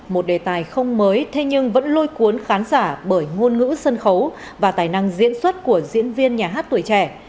một đề tài không mới thế nhưng vẫn lôi cuốn khán giả bởi ngôn ngữ sân khấu và tài năng diễn xuất của diễn viên nhà hát tuổi trẻ